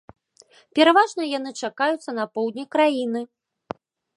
Пераважна яны чакаюцца на поўдні краіны.